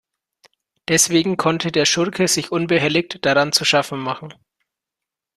Deswegen konnte der Schurke sich unbehelligt daran zu schaffen machen.